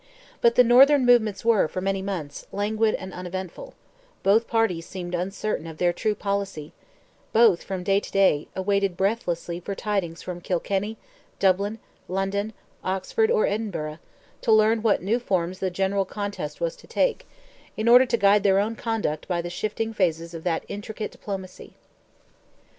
But the northern movements were, for many months, languid and uneventful; both parties seemed uncertain of their true policy; both, from day to day, awaited breathlessly for tidings from Kilkenny, Dublin, London, Oxford, or Edinburgh, to learn what new forms the general contest was to take, in order to guide their own conduct by the shifting phases of that intricate diplomacy.